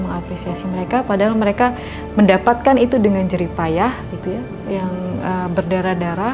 mengapresiasi mereka padahal mereka mendapatkan itu dengan jeripayah gitu ya yang berdarah darah